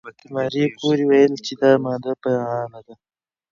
ماري کوري وویل چې دا ماده فعاله ده.